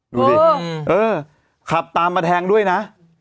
ดูสิเออขับตามมาแทงด้วยนะ